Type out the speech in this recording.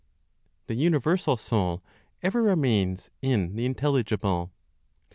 THE UNIVERSAL SOUL EVER REMAINS IN THE INTELLIGIBLE.